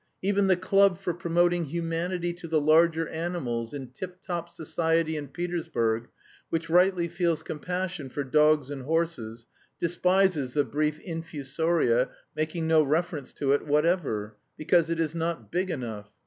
Even the club for promoting humanity to the larger animals in tip top society in Petersburg, which rightly feels compassion for dogs and horses, despises the brief infusoria making no reference to it whatever, because it is not big enough.